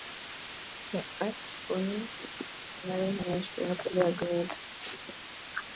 He asks Bonnie to marry him and she happily agrees.